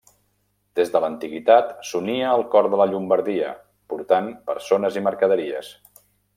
Des de l'antiguitat s'unia el cor de la Llombardia, portant persones i mercaderies.